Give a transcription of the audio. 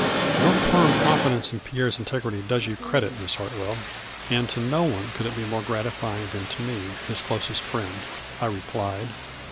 " Your firm confidence in Pierre's integrity does you credit, Miss Hartwell, and to no one could it be more gratifying than to me, his closest friend." I replied.